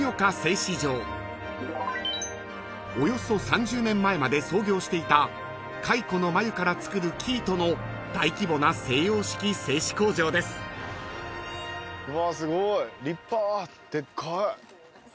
［およそ３０年前まで操業していた蚕の繭からつくる生糸の大規模な西洋式製糸工場です］わすごい立派でっかい。